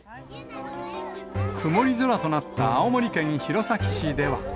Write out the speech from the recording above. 曇り空となった青森県弘前市では。